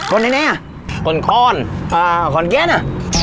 คนไหนไหนอ่ะคนคอร์นอ่าคนแกนอ่ะ